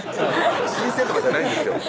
新鮮とかじゃないんですよ